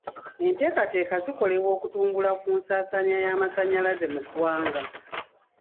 Enteekateeka zikolebwa okutumbula ku nsaasaanya y'amasannyalaze mu ggwanga.